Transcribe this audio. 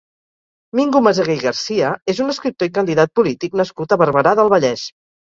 Mingo Meseguer i Garcia és un escriptor i candidat polític nascut a Barberà del Vallès.